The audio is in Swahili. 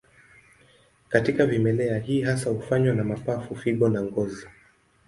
Katika vimelea, hii hasa hufanywa na mapafu, figo na ngozi.